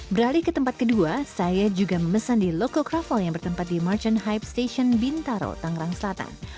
beralih ke tempat kedua saya juga memesan di loko kroffel yang bertempat di merchant hype station bintaro tangerang selatan